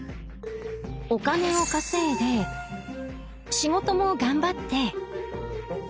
お金を稼いで仕事も頑張って。